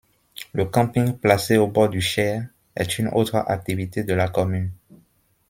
Le camping placé au bord du Cher est une autre activité de la commune.